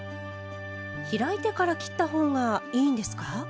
開いてから切った方がいいんですか？